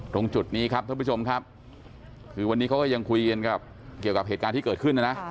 ตรงจุดนี้ครับท่านผู้ชมครับคือวันนี้เขาก็ยังคุยกันกับเกี่ยวกับเหตุการณ์ที่เกิดขึ้นนะนะ